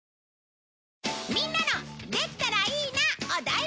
みんなの「できたらいいな」を大募集！